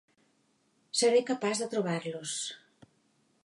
Seré capaç de trobar-los.